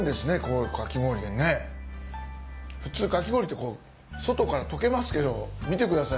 普通かき氷ってこう外から溶けますけど見てください